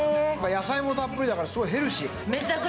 野菜もたっぷりだから、すごいヘルシー。